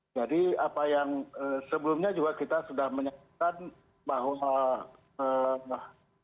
jadi apa yang sebelumnya juga kita sudah menyatakan bahwa